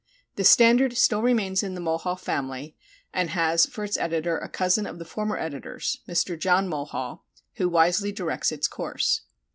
The Standard still remains in the Mulhall family, and has for its editor a cousin of the former editor's, Mr. John Mulhall, who wisely directs its course.